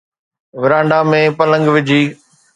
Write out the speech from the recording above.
ورانڊا ۾ پلنگ وجھي